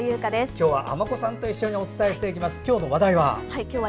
今日は尼子さんと一緒にお伝えしていきます。